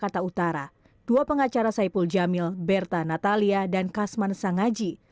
dua pengacara saipul jamil berta natalia dan kasman sangaji